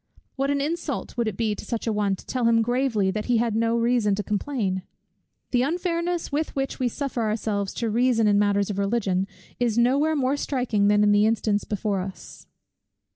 What an insult would it be to such an one, to tell him gravely that he had no reason to complain! The unfairness, with which we suffer ourselves to reason in matters of Religion, is no where more striking than in the instance before us.